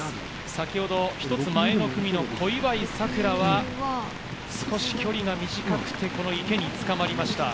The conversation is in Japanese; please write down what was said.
先ほど、１つ前の組の小祝さくらは少し距離が短くて、池につかまりました。